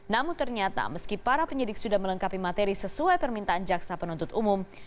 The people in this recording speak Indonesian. namun ternyata meski para penyidik sudah melengkapi materi sesuai permintaan jaksa penuntut umum